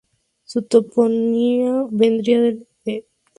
Su topónimo provendría del euskera.